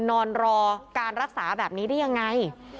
นอนรอการรักษาแบบนี้ได้ยังไง